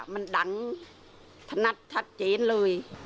มันดังถนัดชัดเจนเลย